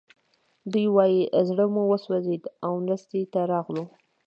دوی وايي زړه مو وسوځېد او مرستې ته راغلو